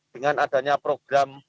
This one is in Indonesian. dengan adanya program